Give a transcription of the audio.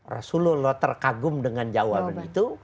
rasulullah terkagum dengan jawaban itu